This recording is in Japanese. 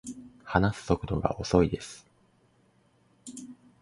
話す速度が遅いです